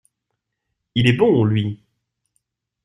Il est bon, lui !